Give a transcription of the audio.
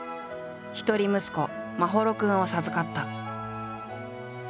一人息子眞秀君を授かった。